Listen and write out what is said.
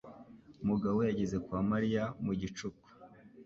Mugabo yageze kwa Mariya mu gicuku.